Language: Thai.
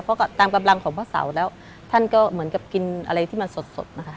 เพราะก็ตามกำลังของพระเสาแล้วท่านก็เหมือนกับกินอะไรที่มันสดนะคะ